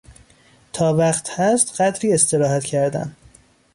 تا وقت هست قدری استراحت کردن